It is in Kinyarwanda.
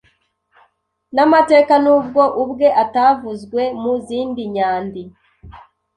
namateka Nubwo ubwe atavuzwe mu zindi nyandi